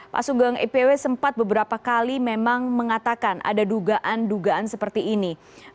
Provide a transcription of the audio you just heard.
pak sugeng ipw sempat beberapa kali memang mengatakan ada dugaan dugaan seperti ini